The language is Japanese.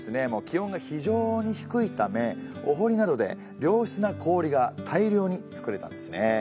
気温が非常に低いためお堀などで良質な氷が大量に作れたんですね。